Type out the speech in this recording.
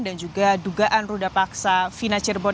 dan juga dugaan ruda paksa fina cirebon